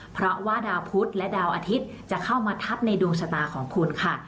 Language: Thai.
เพราะว่าดาวพุทธและดาวอาทิตย์จะเข้ามาทับในดวงชะตาของคุณค่ะ